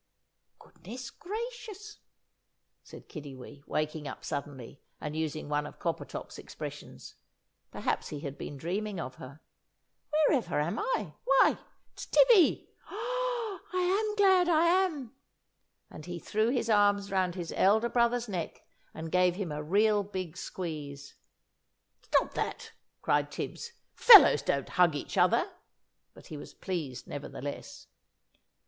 "Goodness gracious!" said Kiddiwee, waking up suddenly, and using one of Coppertop's expressions perhaps he had been dreaming of her "Wherever am I? Why! it's Tibbie. Oh, I am glad, I am!" and he threw his arms round his elder brother's neck, and gave him a real big squeeze. "Stop that!" cried Tibbs. "Fellows don't hug each other," but he was pleased nevertheless.